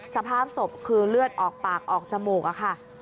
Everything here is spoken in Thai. สภาพศพคือเลือดออกปากออกจมูกอะค่ะ